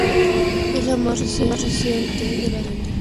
Es la más reciente de las enmiendas a la constitución.